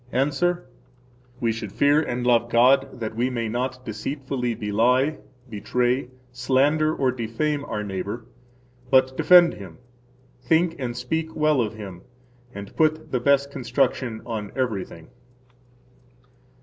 –Answer: We should fear and love God that we may not deceitfully belie, betray, slander, or defame our neighbor, but defend him, [think and] speak well of him, and put the best construction on everything.